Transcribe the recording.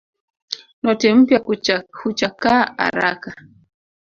Noti mpya huchakaa haraka